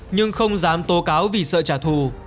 nhưng không dám tố cáo vì sợ trả thù